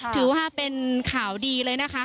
ถือว่าเป็นข่าวดีเลยนะคะ